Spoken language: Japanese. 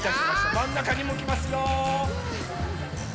まんなかにもきますよ！